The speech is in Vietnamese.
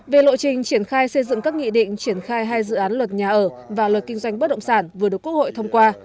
về lộ trình triển khai xây dựng các nghị định triển khai hai dự án luật nhà ở và luật kinh doanh bất động sản vừa được quốc hội thông qua